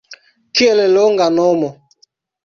Kiel longa nomo